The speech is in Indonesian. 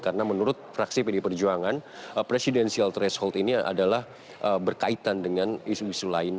karena menurut fraksi pdi perjuangan presidensial threshold ini adalah berkaitan dengan isu isu lain